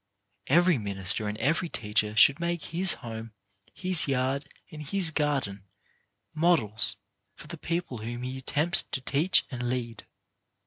Every minister and every teacher should make his home, his yard, and his garden, models for the people whom he attempts to teach and lead.